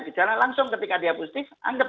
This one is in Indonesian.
gejala langsung ketika dia positif anggap